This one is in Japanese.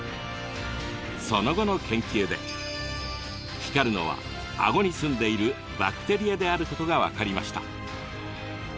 その後の研究で光るのはあごにすんでいるバクテリアであることが分かりました。